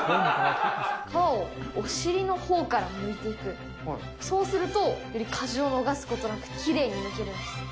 皮をお尻のほうからむいていく、そうすると、より果汁を逃すことなく、きれいにむけるんです。